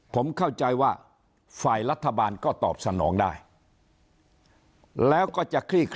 ผมเข้าใจว่าฝ่ายรัฐบาลก็ตอบสนองได้